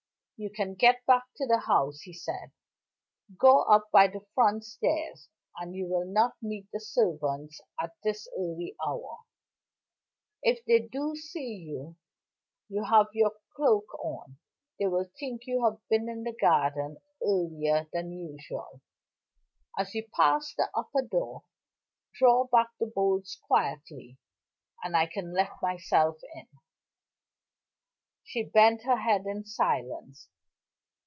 "You can get back to the house," he said. "Go up by the front stairs, and you will not meet the servants at this early hour. If they do see you, you have your cloak on; they will think you have been in the garden earlier than usual. As you pass the upper door, draw back the bolts quietly, and I can let myself in." She bent her head in silence.